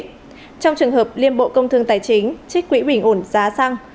trong trường hợp liên bộ công thương tài chính trích quỹ bình ổn giá xăng